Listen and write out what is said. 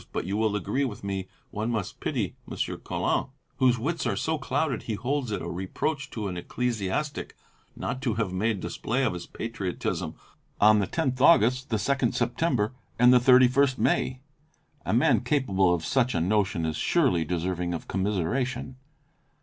But you will agree with me one must pity Monsieur Colin, whose wits are so clouded he holds it a reproach to an ecclesiastic not to have made display of his patriotism on the 10th August, the 2nd September, and the 31st May. A man capable of such a notion is surely deserving of commiseration."